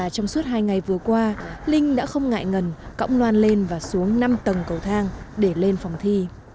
trong suốt hai ngày vừa qua linh đã không ngại ngần cõng loan lên và xuống năm tầng cầu thang để lên phòng thi